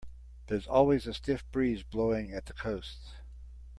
There's always a stiff breeze blowing at the coast.